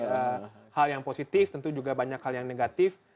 ada hal yang positif tentu juga banyak hal yang negatif